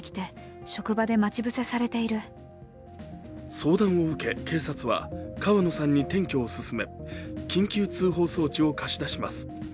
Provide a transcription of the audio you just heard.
相談を受け、警察は川野さんに転居を勧め、緊急通報装置を貸し出します。